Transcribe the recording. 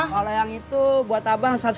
kalau yang itu buat abang rp seratus aja